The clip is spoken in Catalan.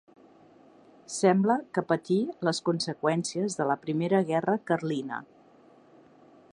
Sembla que patí les conseqüències de la primera Guerra Carlina.